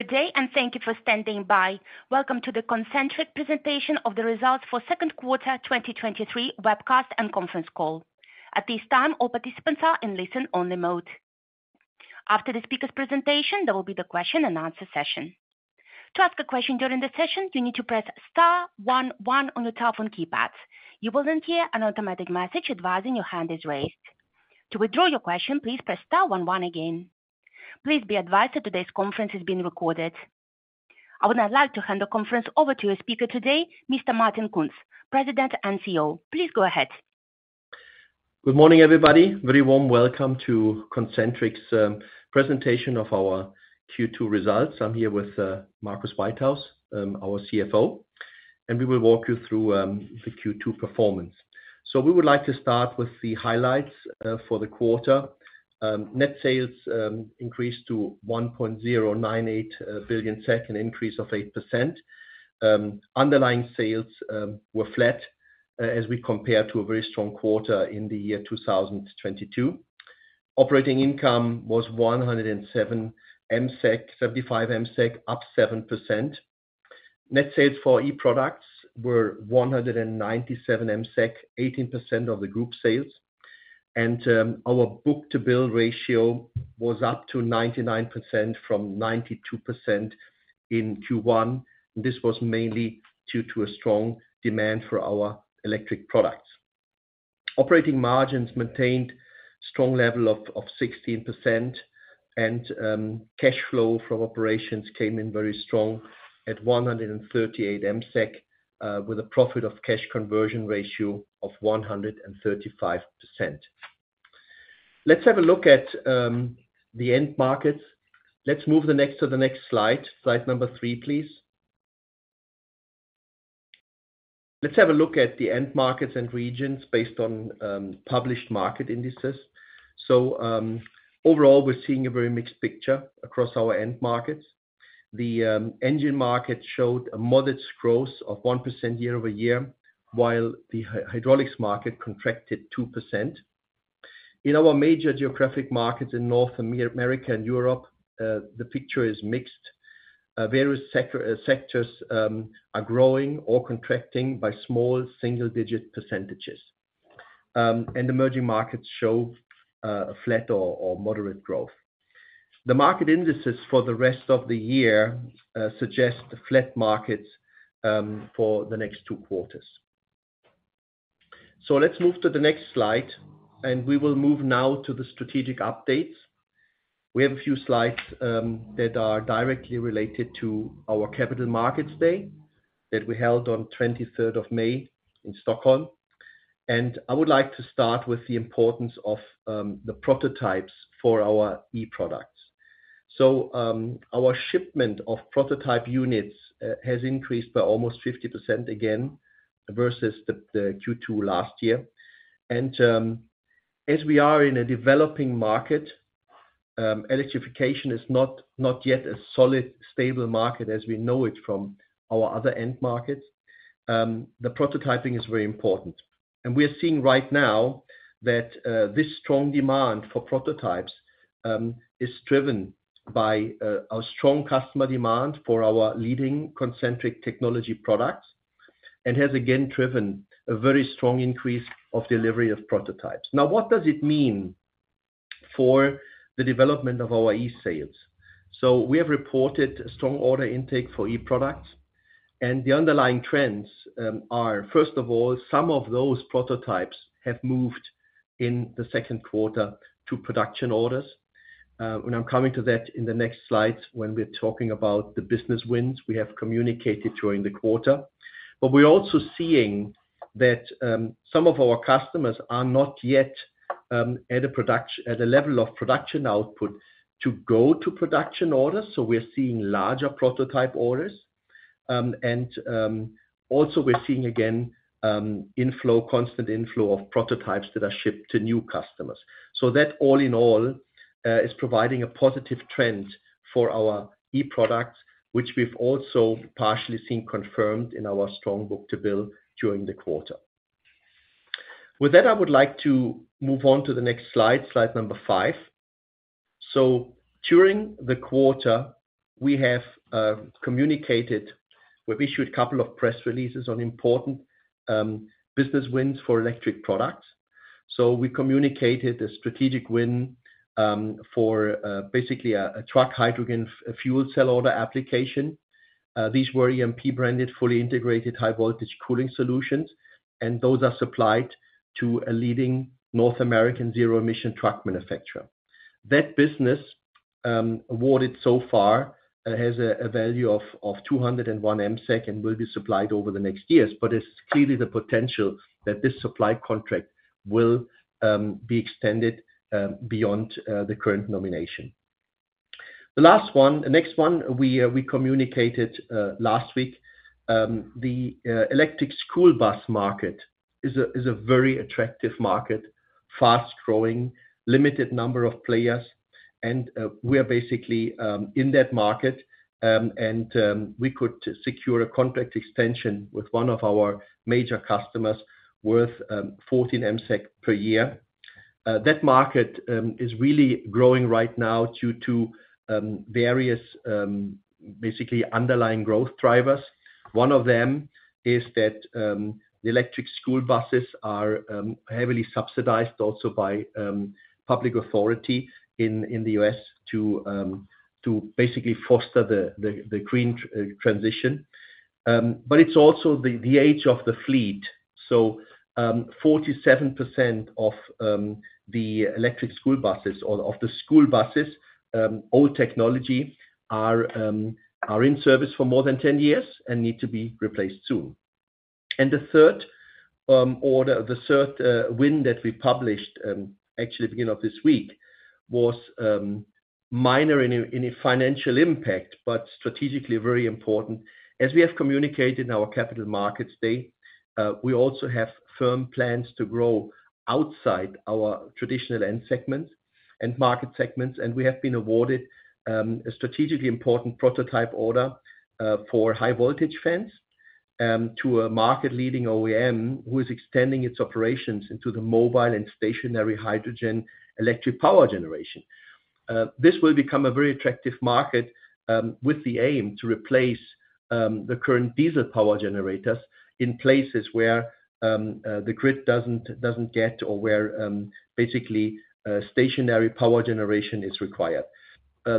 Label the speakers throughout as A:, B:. A: Good day. Thank you for standing by. Welcome to the Concentric presentation of the results for Q2, 2023 webcast and conference call. At this time, all participants are in listen only mode. After the speaker's presentation, there will be the question and answer session. To ask a question during the session, you need to press star 11 on your telephone keypads. You will then hear an automatic message advising your hand is raised. To withdraw your question, please press star 11 again. Please be advised that today's conference is being recorded. I would now like to hand the conference over to your speaker today, Mr. Martin Kunz, President and CEO. Please go ahead.
B: Good morning, everybody. Very warm welcome to Concentric's presentation of our Q2 results. I'm here with Marcus Whitehouse, our CFO. We will walk you through the Q2 performance. We would like to start with the highlights for the quarter. Net sales increased to 1.098 billion, an increase of 8%. Underlying sales were flat as we compare to a very strong quarter in 2022. Operating income was MSEK 107, MSEK 75, up 7%. Net sales for e-products were MSEK 197, 18% of the group sales. Our book-to-bill ratio was up to 99% from 92% in Q1. This was mainly due to a strong demand for our electric products. Operating margins maintained strong level of 16%, cash flow from operations came in very strong at 138 million, with a profit of cash conversion ratio of 135%. Let's have a look at the end markets. Let's move to the next slide number 3, please. Let's have a look at the end markets and regions based on published market indices. Overall, we're seeing a very mixed picture across our end markets. The engine market showed a modest growth of 1% year-over-year, while the hydraulics market contracted 2%. In our major geographic markets in North America and Europe, the picture is mixed. Various sectors are growing or contracting by small single-digit %. Emerging markets show a flat or moderate growth. The market indices for the rest of the year suggest flat markets for the next Q2's. Let's move to the next slide, and we will move now to the strategic updates. We have a few slides that are directly related to our Capital Markets Day, that we held on 23rd of May in Stockholm, I would like to start with the importance of the prototypes for our e-products. Our shipment of prototype units has increased by almost 50% again versus the Q2 last year. As we are in a developing market, electrification is not yet a solid, stable market as we know it from our other end markets. The prototyping is very important. We are seeing right now that this strong demand for prototypes is driven by our strong customer demand for our leading Concentric technology products, and has again driven a very strong increase of delivery of prototypes. What does it mean for the development of our e-sales? We have reported a strong order intake for e-products, and the underlying trends are, first of all, some of those prototypes have moved in the Q2 to production orders. I'm coming to that in the next slide, when we're talking about the business wins we have communicated during the quarter. We're also seeing that some of our customers are not yet at a level of production output to go to production orders, so we're seeing larger prototype orders. Also we're seeing, again, inflow, constant inflow of prototypes that are shipped to new customers. That all in all is providing a positive trend for our e-products, which we've also partially seen confirmed in our strong book-to-bill during the quarter. With that, I would like to move on to the next slide number five. During the quarter, we have communicated, we've issued a couple of press releases on important business wins for electric products. We communicated a strategic win for basically a truck hydrogen fuel cell order application. These were EMP-branded, fully integrated, high voltage cooling solutions, and those are supplied to a leading North American zero-emission truck manufacturer. That business awarded so far has a value of 201 MSEK, and will be supplied over the next years. It's clearly the potential that this supply contract will be extended beyond the current nomination. The last one, the next one we communicated last week. The electric school bus market is a very attractive market, fast growing, limited number of players, we are basically in that market. We could secure a contract extension with one of our major customers worth 14 MSEK per year. That market is really growing right now due to various basically underlying growth drivers. One of them is that, the electric school buses are heavily subsidized also by public authority in the U.S. to basically foster the green transition. It's also the age of the fleet. So 47% of the electric school buses or of the school buses old technology are in service for more than 10 years and need to be replaced soon. The 3rd order, the third win that we published, actually, beginning of this week, was minor in a financial impact, but strategically very important. As we have communicated in our Capital Markets Day, we also have firm plans to grow outside our traditional end segments and market segments. We have been awarded a strategically important prototype order for high voltage fans to a market-leading OEM, who is extending its operations into the mobile and stationary hydrogen electric power generation. This will become a very attractive market with the aim to replace the current diesel power generators in places where the grid doesn't get, or where basically stationary power generation is required.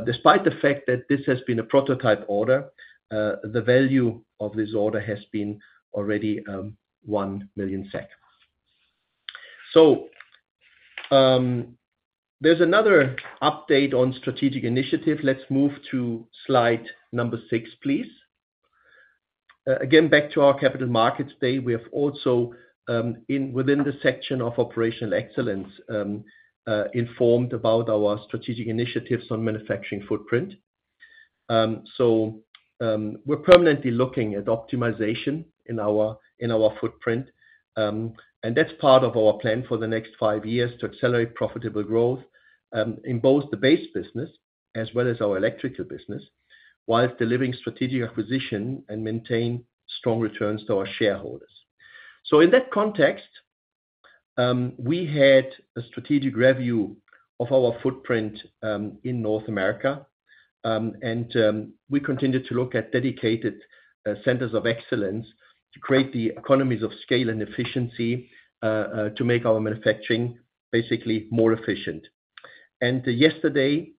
B: Despite the fact that this has been a prototype order, the value of this order has been already 1 million SEK. There's another update on strategic initiative. Let's move to slide number 6, please. Again, back to our Capital Markets Day. We have also within the section of operational excellence, informed about our strategic initiatives on manufacturing footprint. We're permanently looking at optimization in our footprint, and that's part of our plan for the next 5 years to accelerate profitable growth, in both the base business as well as our electrical business, whilst delivering strategic acquisition and maintain strong returns to our shareholders. In that context, we had a strategic review of our footprint in North America. We continued to look at dedicated centers of excellence to create the economies of scale and efficiency to make our manufacturing basically more efficient. Yesterday,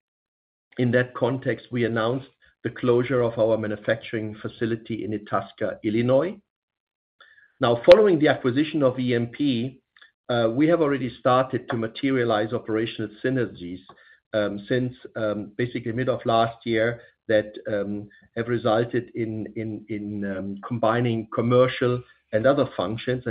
B: in that context, we announced the closure of our manufacturing facility in Itasca, Illinois. Following the acquisition of EMP, we have already started to materialize operational synergies since basically mid of last year, that have resulted in combining commercial and other functions.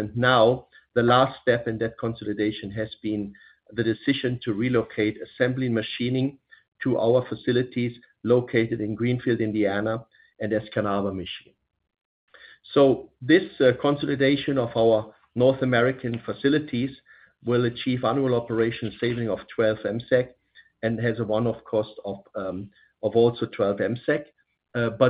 B: The last step in that consolidation has been the decision to relocate assembly machining to our facilities located in Greenfield, Indiana, and Escanaba, Michigan. This consolidation of our North American facilities will achieve annual operation saving of 12 MSEK, and has a one-off cost of also 12 MSEK.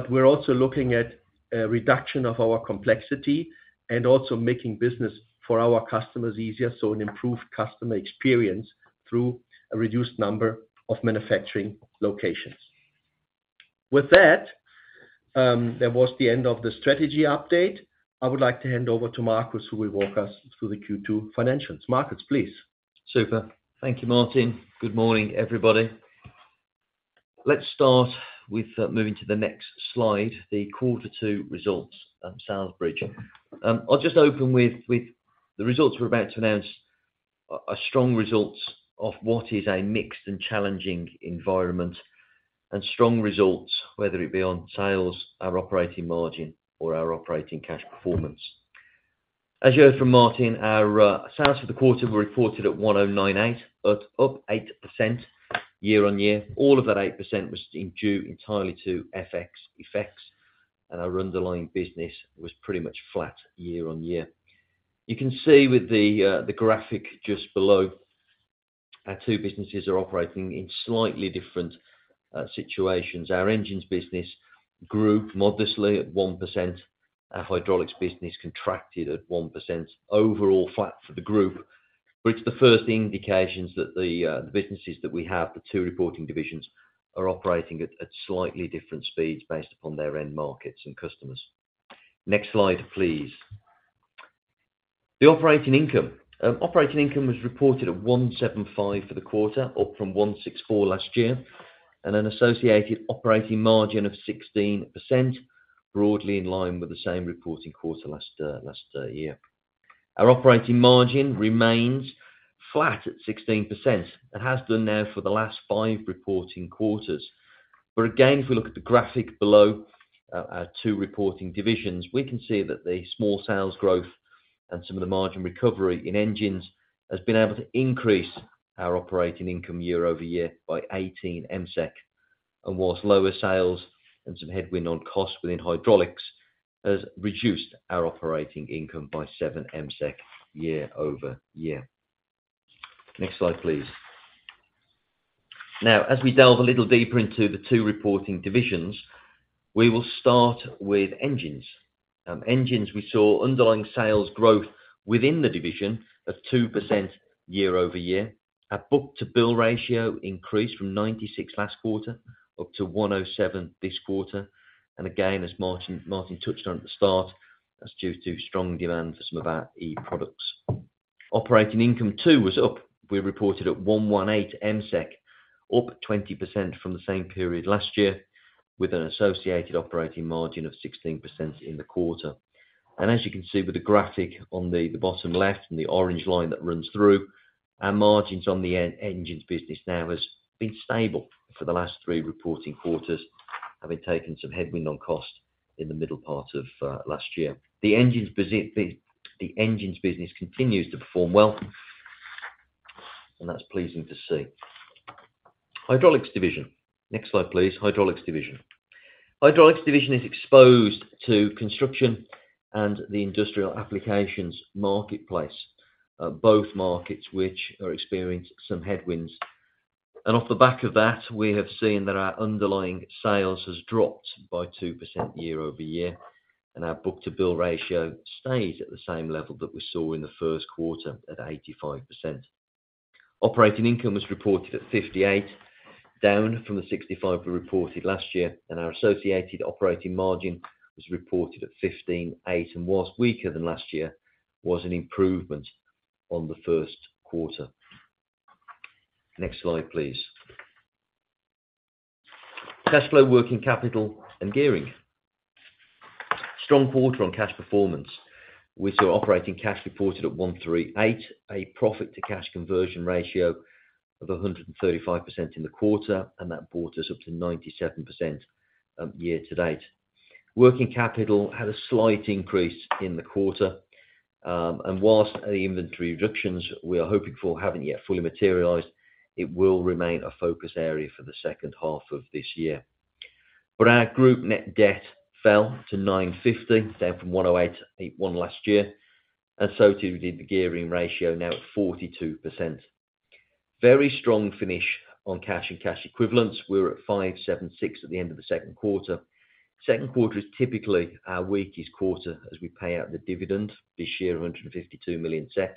B: We're also looking at a reduction of our complexity, and also making business for our customers easier, so an improved customer experience through a reduced number of manufacturing locations. With that was the end of the strategy update. I would like to hand over to Marcus, who will walk us through the Q2 financials. Marcus, please.
C: Super. Thank you, Martin. Good morning, everybody. Let's start with moving to the next slide, the quarter two results and sales bridge. I'll just open with the results we're about to announce, a strong results of what is a mixed and challenging environment. Strong results, whether it be on sales, our operating margin, or our operating cash performance. As you heard from Martin, our sales for the quarter were reported at 1,098 million, up 8% year-on-year. All of that 8% was due entirely to FX effects. Our underlying business was pretty much flat year-on-year. You can see with the graphic just below, our two businesses are operating in slightly different situations. Our engines business grew modestly at 1%. Our hydraulics business contracted at 1%, overall flat for the group, but it's the first indications that the businesses that we have, the two reporting divisions, are operating at slightly different speeds based upon their end markets and customers. Next slide, please. The operating income. Operating income was reported at MSEK 175 for the quarter, up from MSEK 164 last year, and an associated operating margin of 16%, broadly in line with the same reporting quarter last year. Our operating margin remains flat at 16%, and has been now for the last five reporting quarters. Again, if we look at the graphic below, our two reporting divisions, we can see that the small sales growth and some of the margin recovery in Engines, has been able to increase our operating income year-over-year by 18 MSEK, and whilst lower sales and some headwind on costs within Hydraulics, has reduced our operating income by 7 MSEK year-over-year. Next slide, please. As we delve a little deeper into the two reporting divisions, we will start with Engines. Engines, we saw underlying sales growth within the division of 2% year-over-year. Our book-to-bill ratio increased from 96 last quarter up to 107 this quarter. Again, as Martin touched on at the start, that's due to strong demand for some of our e-products. Operating income, too, was up. We reported at 118 MSEK, up 20% from the same period last year, with an associated operating margin of 16% in the quarter. As you can see with the graphic on the bottom left and the orange line that runs through, our margins on the Engines business now has been stable for the last three reporting quarters, having taken some headwind on cost in the middle part of last year. The Engines business continues to perform well, and that's pleasing to see. Hydraulics division. Next slide, please. Hydraulics division. Hydraulics division is exposed to construction and the industrial applications marketplace, both markets which are experiencing some headwinds. Off the back of that, we have seen that our underlying sales has dropped by 2% year-over-year, and our book-to-bill ratio stayed at the same level that we saw in the Q1, at 85%. Operating income was reported at 58 million, down from the 65 million we reported last year, and our associated operating margin was reported at 15.8%, whilst weaker than last year, was an improvement on theQ1. Next slide, please. Cash flow, working capital and gearing. Strong quarter on cash performance. We saw operating cash reported at 138 million, a profit to cash conversion ratio of 135% in the quarter, that brought us up to 97% year to date. Working capital had a slight increase in the quarter, whilst the inventory reductions we are hoping for haven't yet fully materialized, it will remain a focus area for the second half of this year. Our group net debt fell to 950 million, down from 1,088 million last year, and so too did the gearing ratio, now at 42%. Very strong finish on cash and cash equivalents. We were at 576 million at the end of the Q2. Q2 is typically our weakest quarter as we pay out the dividend. This year, 152 million SEK,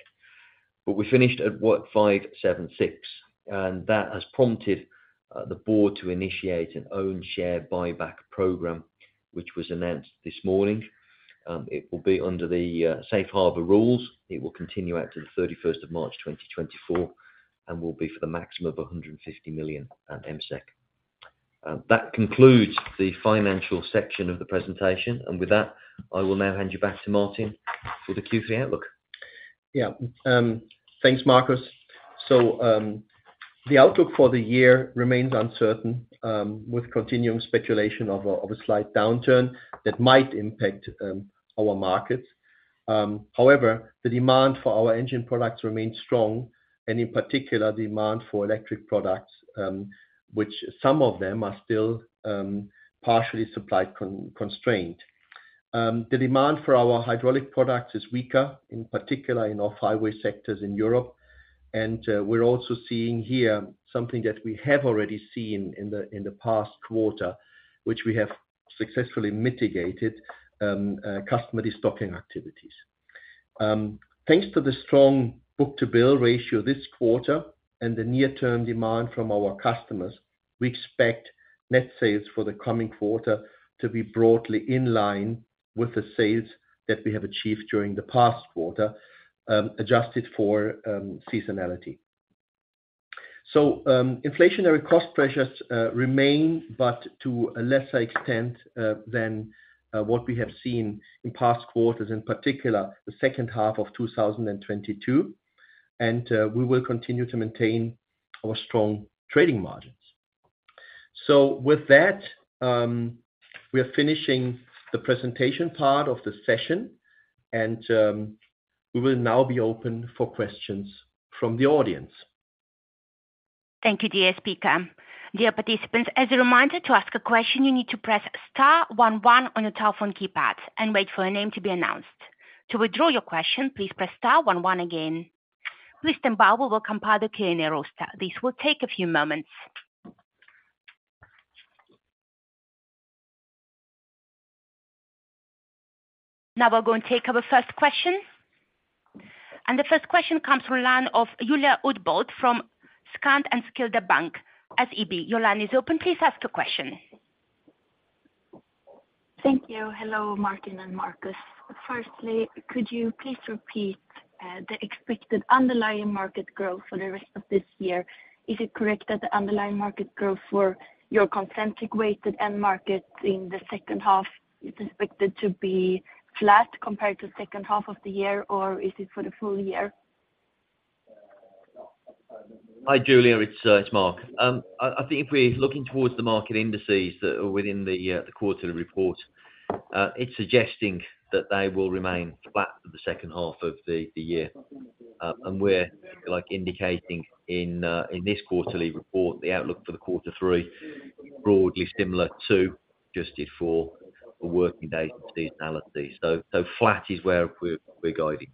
C: but we finished at, what, 576 million, and that has prompted the board to initiate an own share buyback program, which was announced this morning. It will be under the Safe Harbour rules. It will continue out to the 31st of March 2024, and will be for the maximum of 150 MSEK. That concludes the financial section of the presentation. With that, I will now hand you back to Martin for the Q3 outlook.
B: Yeah. Thanks, Marcus. The outlook for the year remains uncertain, with continuing speculation of a slight downturn that might impact our markets. However, the demand for our engine products remains strong, and in particular, demand for electric products, which some of them are still partially supply constrained. The demand for our hydraulic products is weaker, in particular in off-highway sectors in Europe, and we're also seeing here something that we have already seen in the past quarter, which we have successfully mitigated, customer destocking activities. Thanks to the strong book-to-bill ratio this quarter and the near-term demand from our customers, we expect net sales for the coming quarter to be broadly in line with the sales that we have achieved during the past quarter, adjusted for seasonality. Inflationary cost pressures remain, but to a lesser extent than what we have seen in past quarters, in particular the second half of 2022, and we will continue to maintain our strong trading margins. With that, we are finishing the presentation part of the session, and we will now be open for questions from the audience.
A: Thank you, dear speaker. Dear participants, as a reminder, to ask a question, you need to press star 1 1 on your telephone keypad and wait for your name to be announced. To withdraw your question, please press star 1 1 again. Mr. Bauer will compile the Q&A roster. This will take a few moments. We're going to take our 1st question. The 1st question comes from the line of Julia Utbult from Skandinaviska Enskilda Banken. [SEB], your line is open, please ask your question.
D: Thank you. Hello, Martin and Marcus. Firstly, could you please repeat, the expected underlying market growth for the rest of this year? Is it correct that the underlying market growth for your Concentric weighted end markets in the second half is expected to be flat compared to the second half of the year, or is it for the full year?
C: Hi, Julia, it's Marc. I think if we're looking towards the market indices that are within the quarterly report, it's suggesting that they will remain flat for the second half of the year. We're like indicating in this quarterly report, the outlook for the quarter three, broadly similar to just before the working day seasonality. Flat is where we're guiding.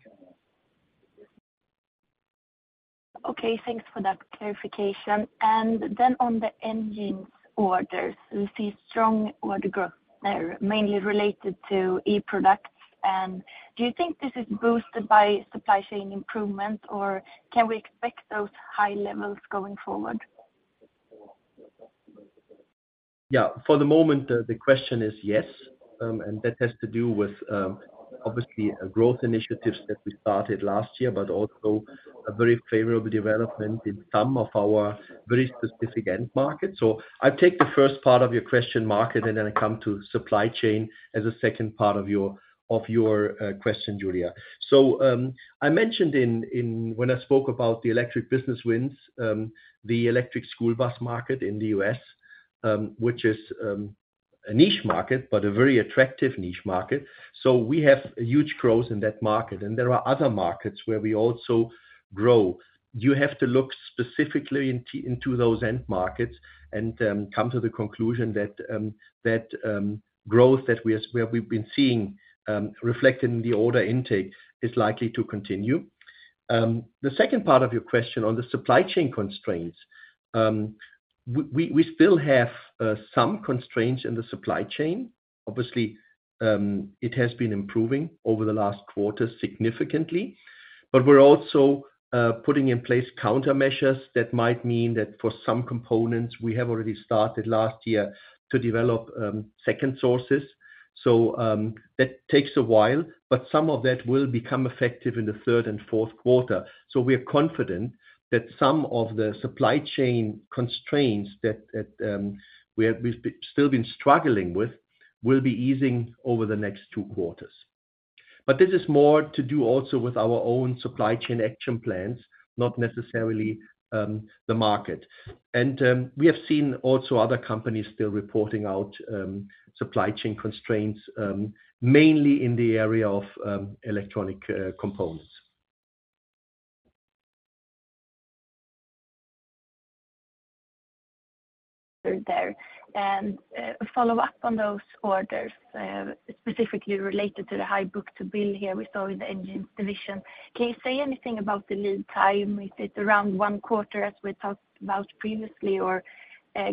D: Okay, thanks for that clarification. On the engines orders, we see strong order growth there, mainly related to e-products. Do you think this is boosted by supply chain improvement, or can we expect those high levels going forward?
B: Yeah, for the moment, the question is yes. That has to do with, obviously, growth initiatives that we started last year, but also a very favorable development in some of our very specific end markets. I take the first part of your question, market, and then I come to supply chain as a 2nd part of your question, Julia. I mentioned in when I spoke about the electric business wins, the electric school bus market in the US, which is, a niche market, but a very attractive niche market. We have a huge growth in that market, and there are other markets where we also grow. You have to look specifically into those end markets and come to the conclusion that that growth that where we've been seeing reflected in the order intake is likely to continue. The 2nd part of your question on the supply chain constraints, we still have some constraints in the supply chain. Obviously, it has been improving over the last quarter significantly, but we're also putting in place countermeasures that might mean that for some components, we have already started last year to develop second sources. That takes a while, but some of that will become effective in the Q3 and Q4. We are confident that some of the supply chain constraints that we've still been struggling with, will be easing over the next two quarters. This is more to do also with our own supply chain action plans, not necessarily, the market. We have seen also other companies still reporting out, supply chain constraints, mainly in the area of electronic components.
D: There. Follow up on those orders, specifically related to the high book-to-bill here we saw in the engine division. Can you say anything about the lead time? Is it around Q1, as we talked about previously, or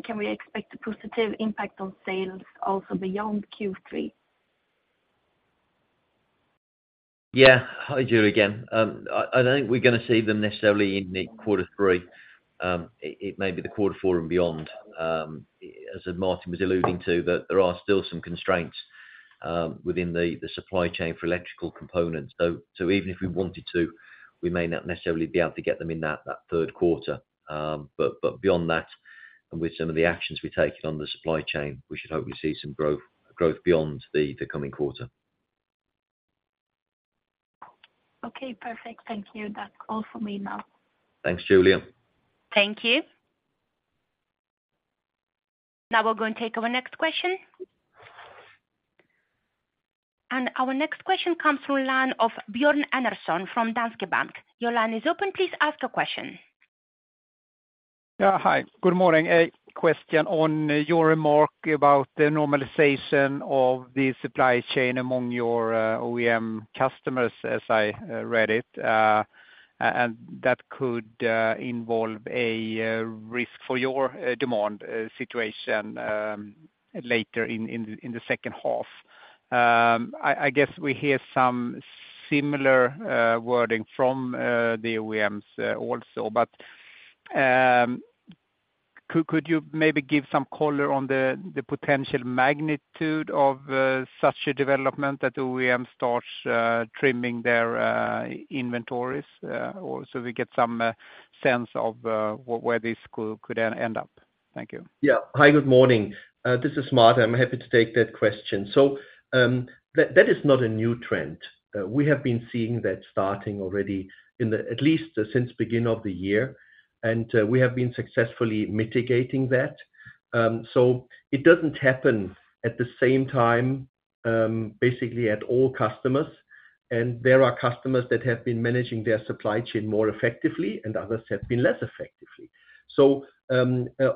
D: can we expect a positive impact on sales also beyond Q3?
C: Hi, Julia, again. I don't think we're gonna see them necessarily in the Q3. It may be the quarter four and beyond. As Martin was alluding to, that there are still some constraints within the supply chain for electrical components. Even if we wanted to, we may not necessarily be able to get them in that Q3. Beyond that, and with some of the actions we're taking on the supply chain, we should hopefully see some growth beyond the coming quarter.
D: Okay, perfect. Thank you. That's all for me now.
C: Thanks, Julia.
A: Thank you. Now we're going to take our next question. Our next question comes through line of Björn Andersson from Danske Bank. Your line is open. Please ask your question.
E: Yeah, hi. Good morning. A question on your remark about the normalization of the supply chain among your OEM customers, as I read it. That could involve a risk for your demand situation later in the second half. I guess we hear some similar wording from the OEMs also, but could you maybe give some color on the potential magnitude of such a development that OEM starts trimming their inventories or so we get some sense of where this could end up? Thank you.
B: Yeah. Hi, good morning. This is Martin. I'm happy to take that question. That is not a new trend. We have been seeing that starting already in the... At least since beginning of the year, and we have been successfully mitigating that. It doesn't happen at the same time, basically, at all customers, and there are customers that have been managing their supply chain more effectively, and others have been less effectively.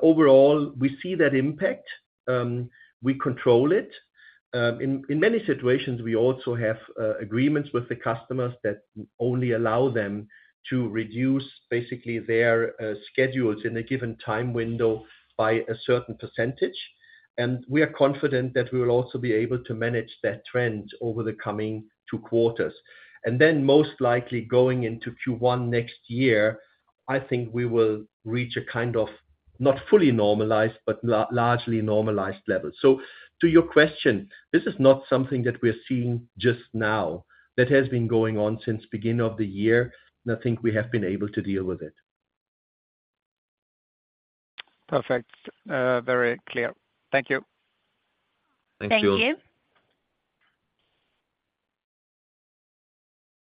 B: Overall, we see that impact, we control it. In many situations, we also have agreements with the customers that only allow them to reduce, basically, their schedules in a given time window by a certain %. We are confident that we will also be able to manage that trend over the coming 2 quarters. Most likely, going into Q1 next year, I think we will reach a kind of not fully normalized, but largely normalized level. To your question, this is not something that we're seeing just now. That has been going on since beginning of the year, and I think we have been able to deal with it.
E: Perfect. Very clear. Thank you.
C: Thanks, Björn.
A: Thank you.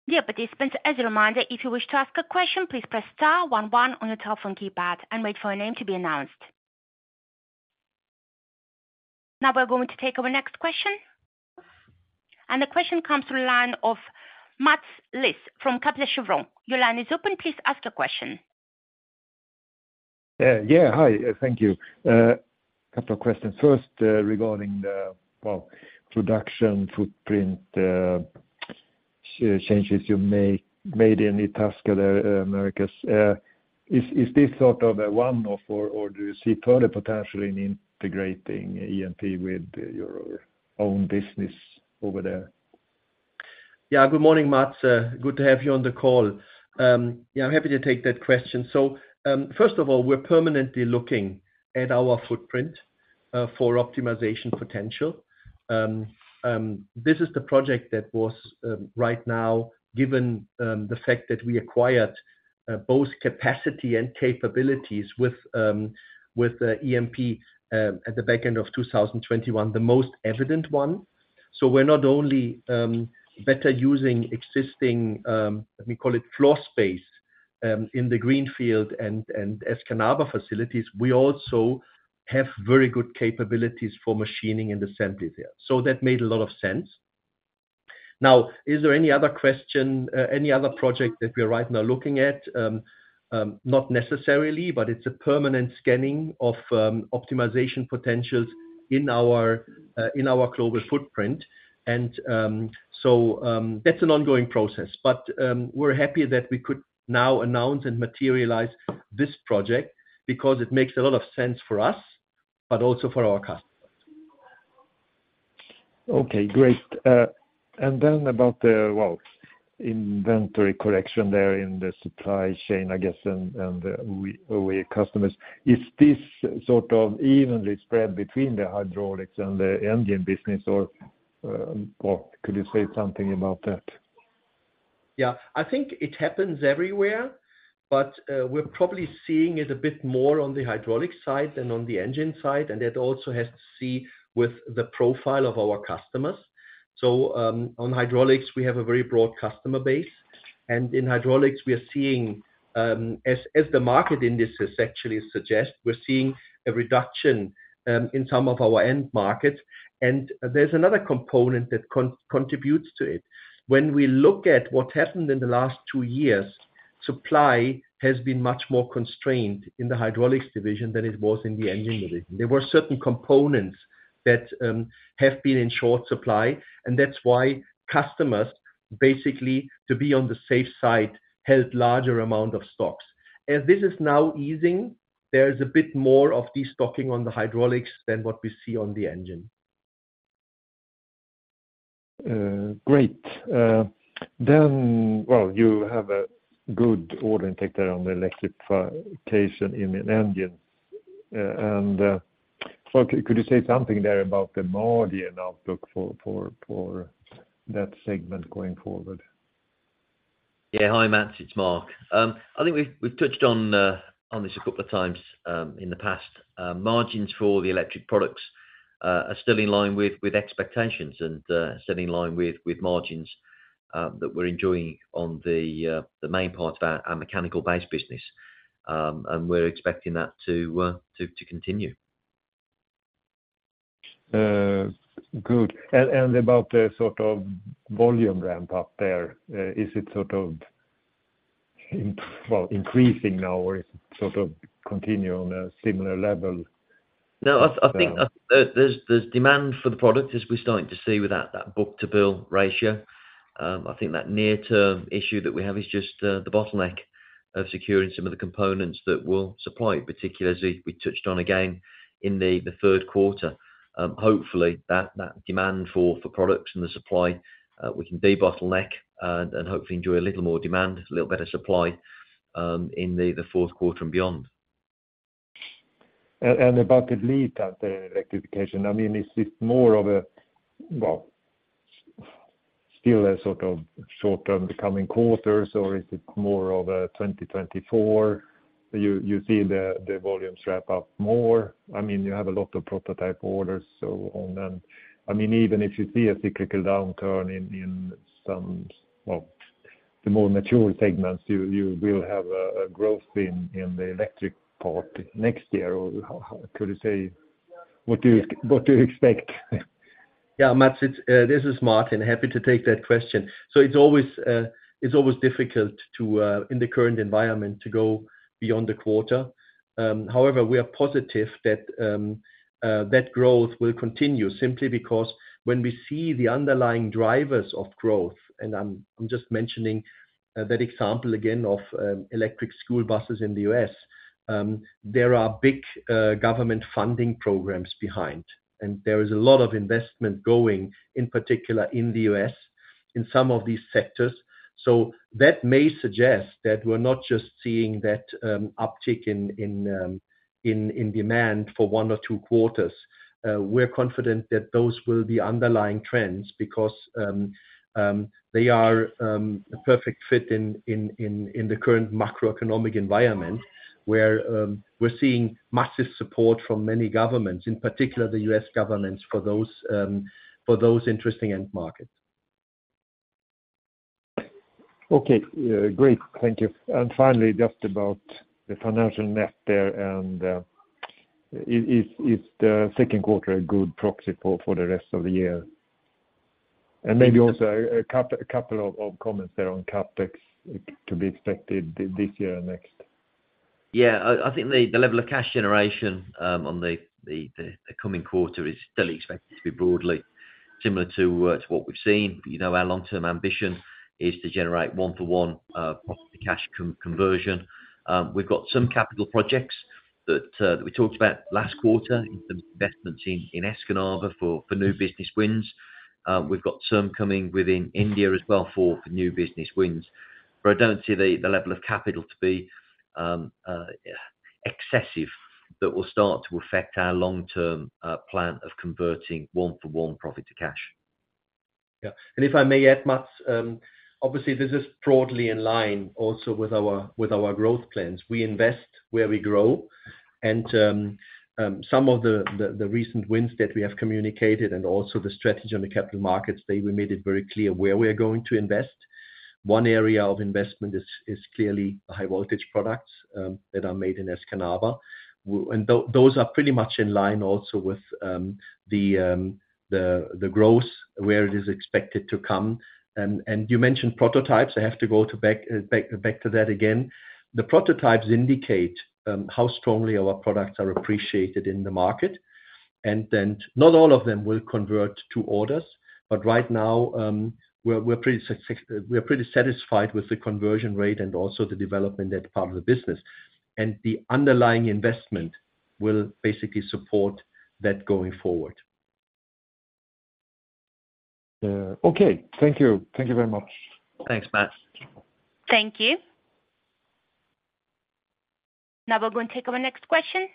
A: Dear participants, as a reminder, if you wish to ask a question, please press star 1 1 on your telephone keypad and wait for your name to be announced. Now we're going to take our next question, the question comes through the line of Mats Liss from Kepler Cheuvreux. Your line is open. Please ask your question.
F: Yeah. Yeah, hi, thank you. Couple of questions. 1st, regarding the well, production footprint changes you made in Itasca, the Americas. Is this sort of a one-off or do you see further potential in integrating EMP with your own business over there?
B: Yeah. Good morning, Mats. Good to have you on the call. Yeah, I'm happy to take that question. First of all, we're permanently looking at our footprint for optimization potential. This is the project that was right now, given the fact that we acquired both capacity and capabilities with the EMP at the back end of 2021, the most evident one. We're not only better using existing, let me call it, floor space in the Greenfield and Escanaba facilities, we also have very good capabilities for machining and assembly there. That made a lot of sense. Is there any other question, any other project that we are right now looking at? Not necessarily, but it's a permanent scanning of optimization potentials in our global footprint. That's an ongoing process. We're happy that we could now announce and materialize this project because it makes a lot of sense for us, but also for our customers.
F: Okay, great. About the inventory correction there in the supply chain, I guess, and with customers, is this sort of evenly spread between the hydraulics and the engine business, or could you say something about that?
B: Yeah. I think it happens everywhere, but we're probably seeing it a bit more on the Hydraulics side than on the Engine side, and that also has to see with the profile of our customers. On Hydraulics, we have a very broad customer base, and in Hydraulics, we are seeing, as the market indices actually suggest, we're seeing a reduction in some of our end markets. There's another component that contributes to it. When we look at what happened in the last 2 years, supply has been much more constrained in the Hydraulics division than it was in the Engine division. There were certain components that have been in short supply, and that's why customers, basically, to be on the safe side, held larger amount of stocks. As this is now easing, there is a bit more of destocking on the hydraulics than what we see on the engine.
F: Great. You have a good order intake there on the electrification in an engine. Could you say something there about the margin outlook for that segment going forward?
C: Yeah. Hi, Mats, it's Marc. I think we've touched on this a couple of times in the past. Margins for the electric products are still in line with expectations and still in line with margins that we're enjoying on the main part of our mechanical-based business. We're expecting that to continue.
F: Good. About the sort of volume ramp up there, is it sort of increasing now or sort of continue on a similar level?
C: No, I think there's demand for the product as we're starting to see with that book-to-bill ratio. I think that near-term issue that we have is just the bottleneck of securing some of the components that will supply it, particularly as we touched on again in the third Q3. Hopefully, that demand for products and the supply, we can debottleneck and hopefully enjoy a little more demand, a little better supply in the Q4 and beyond.
F: About the lead time, the electrification, I mean, is this more of a, well, still a sort of short term becoming quarters, or is it more of a 2024, you see the volumes ramp up more? I mean, you have a lot of prototype orders, so on. I mean, even if you see a cyclical downturn in some, well, the more mature segments, you will have a growth in the electric part next year or how could you say what do you expect?
B: Yeah, Mats, it's, this is Martin. Happy to take that question. It's always, it's always difficult to, in the current environment, to go beyond the quarter. However, we are positive that growth will continue simply because when we see the underlying drivers of growth, and I'm just mentioning that example again of electric school buses in the U.S., there are big government funding programs behind, and there is a lot of investment going, in particular in the U.S., in some of these sectors. That may suggest that we're not just seeing that uptick in demand for Q1 or Q2. We're confident that those will be underlying trends because they are a perfect fit in the current macroeconomic environment, where we're seeing massive support from many governments, in particular the U.S. government, for those interesting end markets.
F: Okay. Great. Thank you. Finally, just about the financial net there, and, is the Q2 a good proxy for the rest of the year? Maybe also a couple of comments there on CapEx to be expected this year and next.
C: I think the level of cash generation on the coming quarter is still expected to be broadly similar to what we've seen. You know, our long-term ambition is to generate 1-to-1 profit to cash conversion. We've got some capital projects that we talked about last quarter, some investments in Escanaba for new business wins. We've got some coming within India as well for new business wins. I don't see the level of capital to be excessive, that will start to affect our long-term plan of converting 1-for-1 profit to cash.
B: Yeah. If I may add, Mats, obviously, this is broadly in line also with our, with our growth plans. We invest where we grow, and some of the recent wins that we have communicated and also the strategy on the Capital Markets, they made it very clear where we are going to invest. One area of investment is clearly high voltage products that are made in Escanaba. Those are pretty much in line also with the growth, where it is expected to come. You mentioned prototypes. I have to go back to that again. The prototypes indicate how strongly our products are appreciated in the market. Not all of them will convert to orders. Right now, we're pretty satisfied with the conversion rate and also the development, that part of the business. The underlying investment will basically support that going forward.
F: Okay. Thank you. Thank you very much.
C: Thanks, Mats.
A: Thank you. Now we're going to take our next question.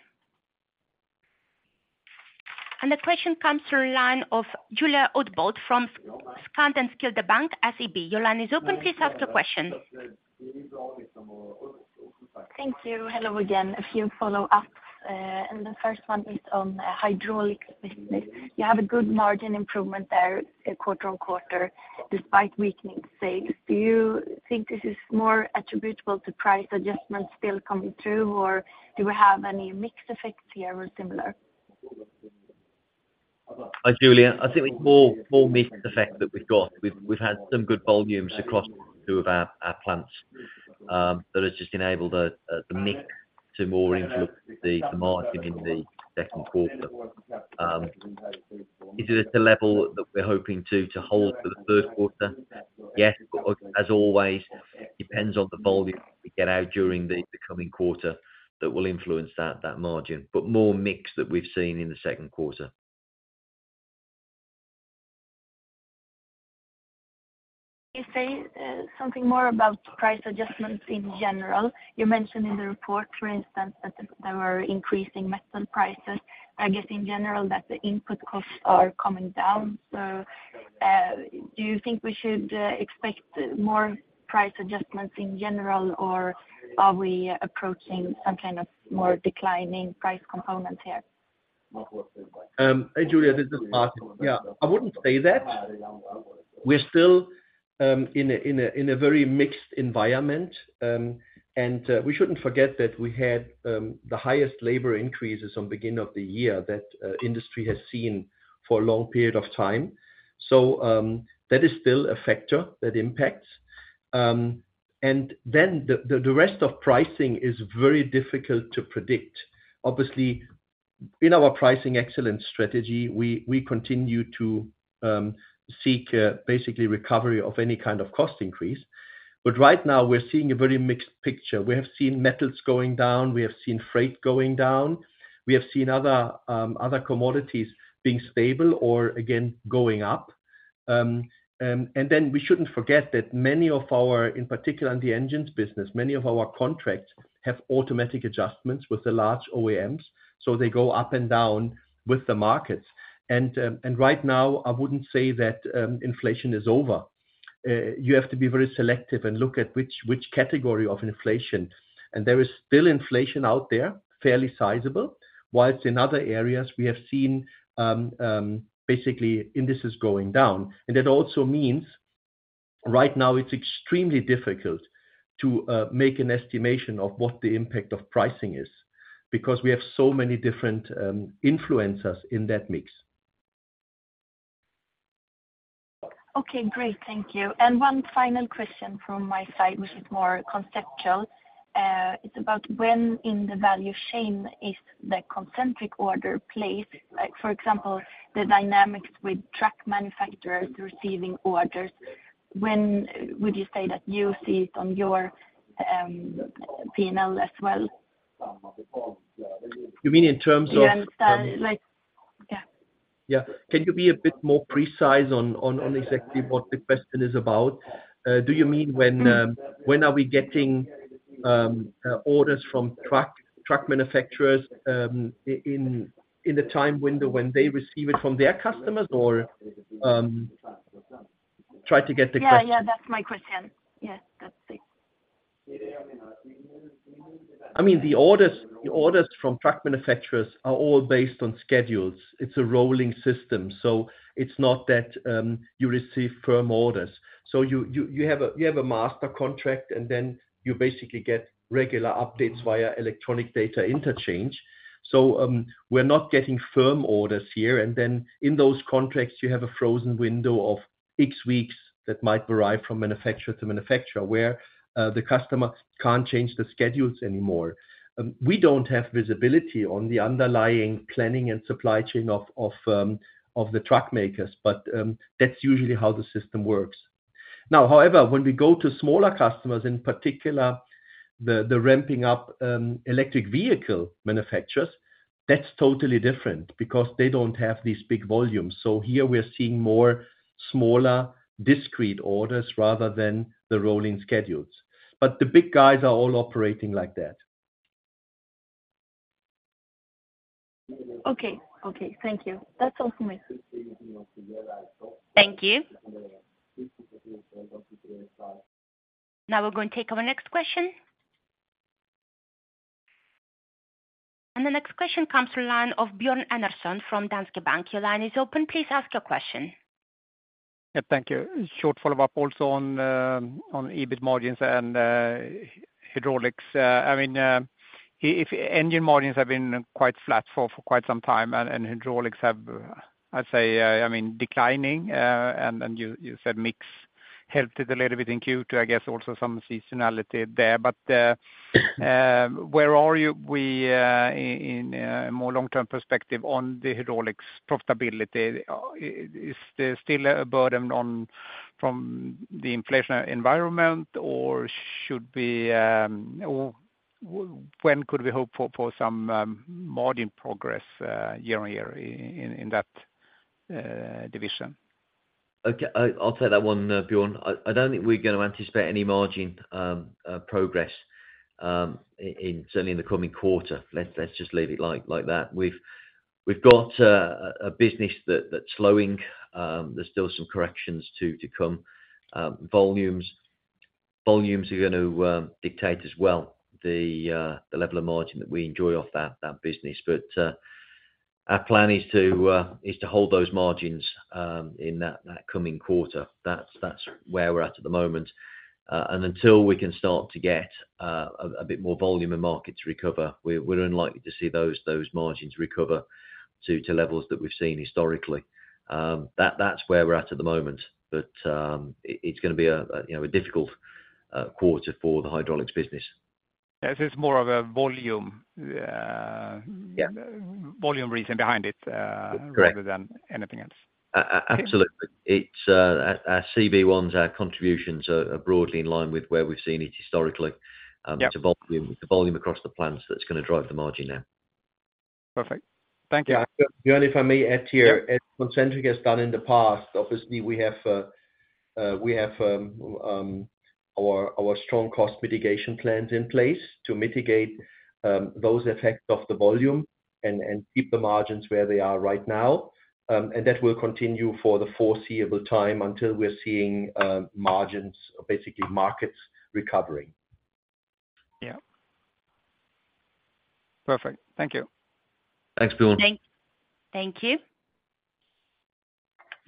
A: The question comes through the line of Julia Utbult from Skandinaviska Enskilda Banken (SEB). Your line is open. Please ask your question.
D: Thank you. Hello again. A few follow-ups, and the first one is on the hydraulics business. You have a good margin improvement there, quarter on quarter, despite weakening sales. Do you think this is more attributable to price adjustments still coming through, or do we have any mixed effects here or similar?
C: Hi, Julia. I think it's more mixed effect that we've got. We've had some good volumes across two of our plants that has just enabled the mix to more into the margin in the Q2. Is it at the level that we're hoping to hold for the Q3? Yes. As always, depends on the volume we get out during the coming quarter that will influence that margin, but more mix that we've seen in the Q2.
D: You say something more about price adjustments in general? You mentioned in the report, for instance, that there were increasing metal prices. I guess in general, that the input costs are coming down. Do you think we should expect more price adjustments in general, or are we approaching some kind of more declining price component here?
B: Hi, Julia, this is Martin. Yeah, I wouldn't say that. We're still in a very mixed environment. We shouldn't forget that we had the highest labor increases on beginning of the year, that industry has seen for a long period of time. That is still a factor that impacts. Then the rest of pricing is very difficult to predict. Obviously, in our pricing excellence strategy, we continue to seek basically recovery of any kind of cost increase. Right now we're seeing a very mixed picture. We have seen metals going down, we have seen freight going down, we have seen other commodities being stable or again, going up. We shouldn't forget that many of our, in particular in the engines business, many of our contracts have automatic adjustments with the large OEMs, so they go up and down with the markets. Right now, I wouldn't say that inflation is over. You have to be very selective and look at which category of inflation. There is still inflation out there, fairly sizable, whilst in other areas we have seen basically indices going down. Right now it's extremely difficult to make an estimation of what the impact of pricing is, because we have so many different influencers in that mix.
D: Okay, great. Thank you. One final question from my side, which is more conceptual. It's about when in the value chain is the Concentric order placed? Like, for example, the dynamics with truck manufacturers receiving orders, when would you say that you see it on your P&L as well?
B: You mean in terms of.
D: Yeah, like, Yeah.
B: Yeah. Can you be a bit more precise on exactly what the question is about? Do you mean when. Mm. When are we getting orders from truck manufacturers in the time window when they receive it from their customers? Try to get the question.
D: Yeah, that's my question. Yeah.
B: I mean, the orders from truck manufacturers are all based on schedules. It's a rolling system, it's not that you receive firm orders. You have a master contract, and then you basically get regular updates via electronic data interchange. We're not getting firm orders here, and then in those contracts, you have a frozen window of X weeks that might derive from manufacturer to manufacturer, where the customer can't change the schedules anymore. We don't have visibility on the underlying planning and supply chain of the truck makers, but that's usually how the system works. However, when we go to smaller customers, in particular, the ramping up electric vehicle manufacturers, that's totally different because they don't have these big volumes. Here we're seeing more smaller discrete orders rather than the rolling schedules. The big guys are all operating like that.
D: Okay. Okay, thank you. That's all for me.
A: Thank you. Now we're going to take our next question. The next question comes from the line of Björn Andersson from Danske Bank. Your line is open. Please ask your question.
E: Thank you. Short follow-up also on EBIT margins and Hydraulics. I mean, if engine margins have been quite flat for quite some time, and Hydraulics have, I'd say, I mean, declining, and you said mix helped it a little bit in Q2, I guess also some seasonality there. Where are we in a more long-term perspective on the Hydraulics profitability? Is there still a burden on, from the inflation environment, or should we, or when could we hope for some margin progress year-on-year in that division?
C: Okay. I'll take that one, Björn. I don't think we're gonna anticipate any margin progress in certainly in the coming quarter. Let's just leave it like that. We've got a business that's slowing. There's still some corrections to come. Volumes are gonna dictate as well, the level of margin that we enjoy off that business. Our plan is to hold those margins in that coming quarter. That's where we're at at the moment. Until we can start to get a bit more volume in the market to recover, we're unlikely to see those margins recover to levels that we've seen historically. That's where we're at at the moment, but, it's gonna be a, you know, a difficult, quarter for the hydraulics business.
E: Yes, it's more of a volume.
C: Yeah.
E: Volume reason behind it.
C: Correct.
E: Rather than anything else.
C: Absolutely. It's our CB ones, our contributions are broadly in line with where we've seen it historically.
E: Yeah.
C: It's a volume, the volume across the plants that's gonna drive the margin now.
E: Perfect. Thank you.
B: Björn, if I may add here-
E: Yeah.
B: As Concentric has done in the past, obviously, we have our strong cost mitigation plans in place to mitigate those effects of the volume and keep the margins where they are right now. That will continue for the foreseeable time until we're seeing margins, basically markets recovering.
E: Yeah. Perfect. Thank you.
C: Thanks, Björn.
A: Thank you.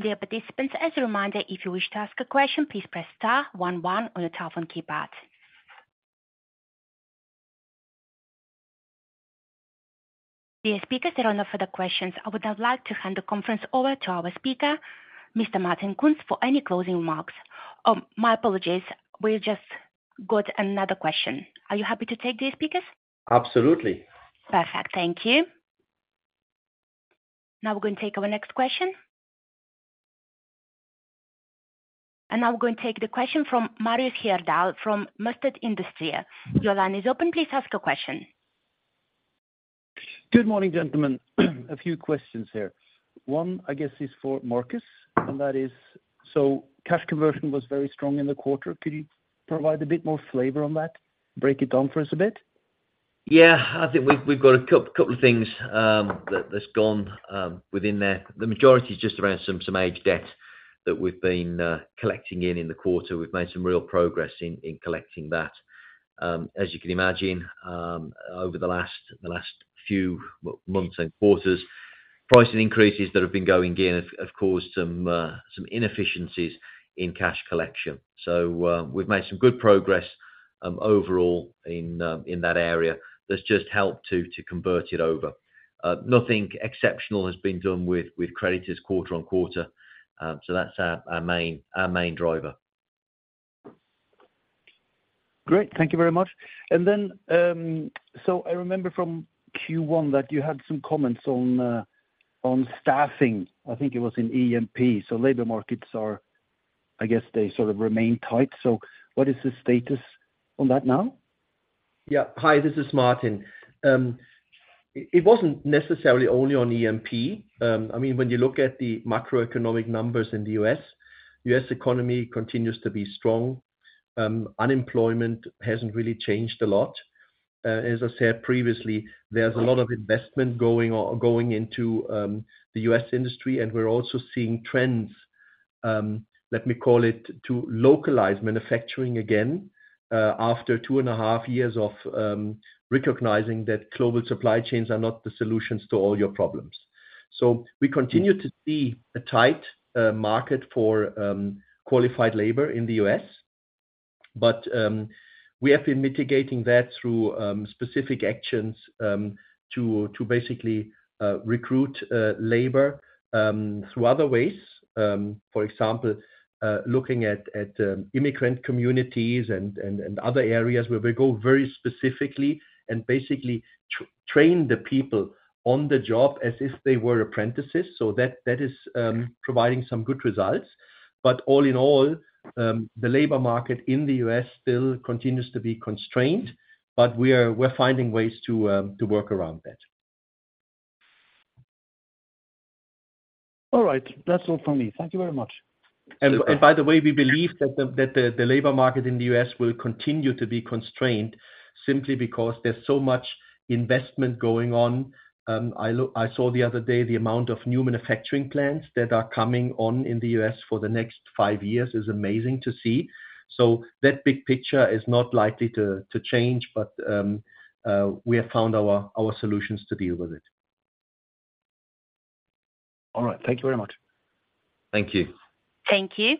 A: Dear participants, as a reminder, if you wish to ask a question, please press star 1 1 on your telephone keypad. Dear speakers, there are no further questions. I would now like to hand the conference over to our speaker, Mr. Martin Kunz, for any closing remarks. My apologies. We just got another question. Are you happy to take this, speakers?
B: Absolutely.
A: Perfect. Thank you. Now we're going to take our next question. Now we're going to take the question from Marius Hjardal, from Mustad Industrier. Your line is open, please ask your question.
G: Good morning, gentlemen. A few questions here. One, I guess, is for Marcus, and that is: cash conversion was very strong in the quarter. Could you provide a bit more flavor on that? Break it down for us a bit.
C: Yeah. I think we've got a couple of things that has gone within there. The majority is just around some age debt that we've been collecting in the quarter. We've made some real progress in collecting that. As you can imagine, over the last few months and quarters, pricing increases that have been going down have caused some inefficiencies in cash collection. We've made some good progress overall in that area, that's just helped to convert it over. Nothing exceptional has been done with creditors quarter on quarter. That's our main driver.
G: Great. Thank you very much. I remember from Q1 that you had some comments on staffing. I think it was in EMP, labor markets are. I guess they sort of remain tight. What is the status on that now?
B: Yeah. Hi, this is Martin. I mean, when you look at the macroeconomic numbers in the U.S., U.S. economy continues to be strong. Unemployment hasn't really changed a lot. As I said previously, there's a lot of investment going on, going into the U.S. industry. We're also seeing trends, let me call it, to localize manufacturing again, after two and a half years of recognizing that global supply chains are not the solutions to all your problems. We continue to see a tight market for qualified labor in the U.S., but we have been mitigating that through specific actions to basically recruit labor through other ways. For example, looking at immigrant communities and other areas where we go very specifically and basically train the people on the job as if they were apprentices. That is providing some good results. All in all, the labor market in the US still continues to be constrained, but we're finding ways to work around that.
G: All right. That's all from me. Thank you very much.
B: By the way, we believe that the labor market in the US will continue to be constrained simply because there's so much investment going on. I saw the other day the amount of new manufacturing plants that are coming on in the US for the next 5 years is amazing to see. That big picture is not likely to change, we have found our solutions to deal with it.
G: All right. Thank you very much.
B: Thank you.
A: Thank you.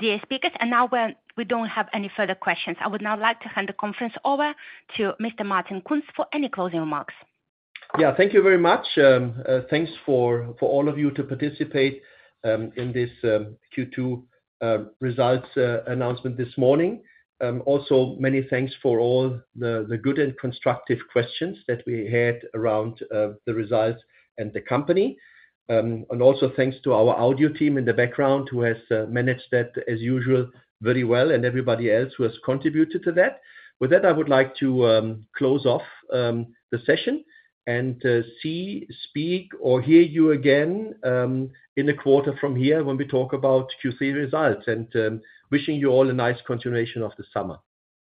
A: Now we don't have any further questions. I would now like to hand the conference over to Mr. Martin Kunz for any closing remarks.
B: Yeah, thank you very much. Thanks for all of you to participate in this Q2 results announcement this morning. Also, many thanks for all the good and constructive questions that we had around the results and the company. Also, thanks to our audio team in the background who has managed that as usual, very well, and everybody else who has contributed to that. With that, I would like to close off the session and see, speak, or hear you again, in a quarter from here when we talk about Q3 results, and wishing you all a nice continuation of the summer.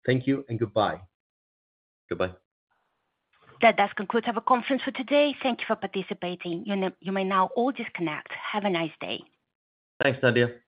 B: Thank you and goodbye. Goodbye.
A: That does conclude our conference for today. Thank you for participating. You may now all disconnect. Have a nice day.
B: Thanks, Nadia.